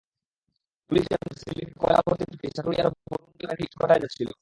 Police জানায়, সিলেট থেকে কয়লাভর্তি ট্রাকটি সাটুরিয়ার বরুন্ডি গ্রামে একটি ইটভাটায় যাচ্ছিল।